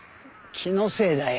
気のせいだよ。